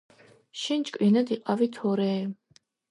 შენ ჭკვიანად იყავი თორეე